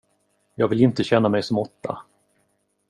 Jag vill inte känna mig som åtta.